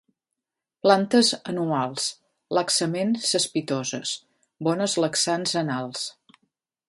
Plantes anuals, laxament cespitoses, bones laxants anals.